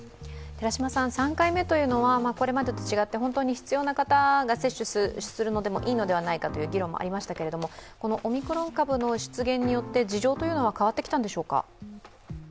３回目はこれまでと違って本当に必要な方が接種するのでもいいのではないかという議論がありましたがオミクロン株の出現によって事情は変わってきたんでしょうか？